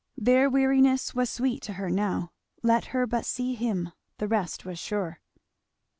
Their weariness was sweet to her now. Let her but see him; the rest was sure.